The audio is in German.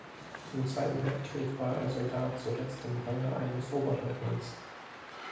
Im Zweiten Weltkrieg war er Soldat, zuletzt im Range eines Oberleutnants.